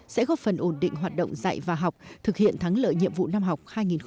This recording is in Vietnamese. sẽ góp phần ổn định hoạt động dạy và học thực hiện thắng lợi nhiệm vụ năm học hai nghìn hai mươi hai nghìn hai mươi một